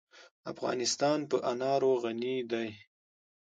افغانستان په انار غني دی.